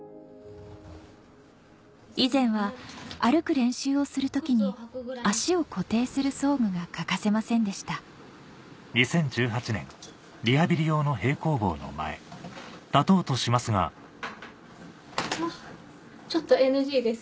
以前は歩く練習をする時に足を固定する装具が欠かせませんでしたあっちょっとＮＧです